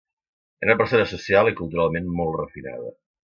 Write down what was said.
Era una persona social i culturalment molt refinada.